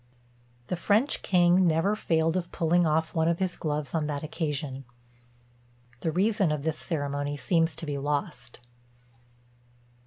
The French king never failed of pulling off one of his gloves on that occasion. The reason of this ceremony seems to be lost.